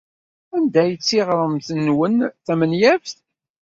Anta ay d tiɣremt-nwen tamenyaft?